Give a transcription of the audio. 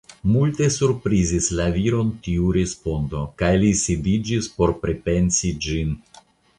Multe surprizis la viron tiu respondo kaj li sidiĝis por pripensi ĝin.